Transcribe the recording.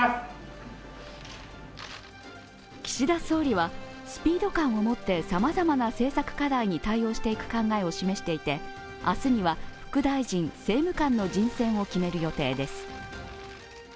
岸田総理は、スピード感を持ってさまざまな政策課題に対応していく考えを示していて明日には副大臣、政務官の人選を決める予定です。